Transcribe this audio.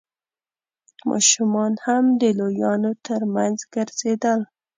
ماشومان هم د لويانو تر مينځ ګرځېدل.